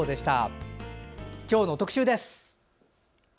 今日の特集です。